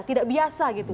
tidak biasa gitu